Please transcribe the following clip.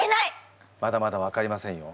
まだまだわかりませんよ。